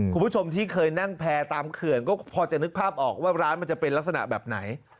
คุณผู้ชมที่เคยนั่งแพร่ตามเขื่อนก็พอจะนึกภาพออกว่าร้านมันจะเป็นลักษณะแบบไหน